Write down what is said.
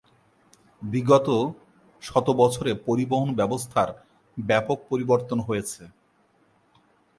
বিগত শত বছরে পরিবহন ব্যবস্থার ব্যপক পরিবর্তন হয়েছে।